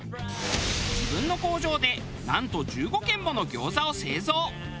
自分の工場でなんと１５軒もの餃子を製造。